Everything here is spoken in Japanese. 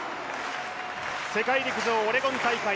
世界陸上オレゴン大会